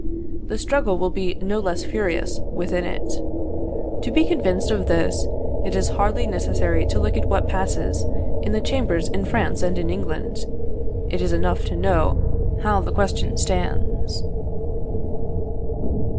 The struggle will be no less furious within it. To be convinced of this, it is hardly necessary to look at what passes in the Chambers in France and in England; it is enough to know how the question stands.